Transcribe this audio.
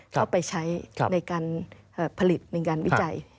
เข้าไปใช้ในการผลิตในการวิจัย